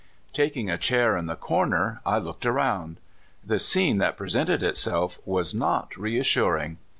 Taking a chair in the corner, I looked around. The scene that presented itself was not reassuring.